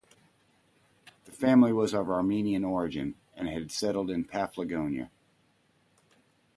The family was of Armenian origin and had settled in Paphlagonia.